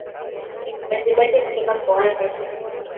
Majimaji kutoka puani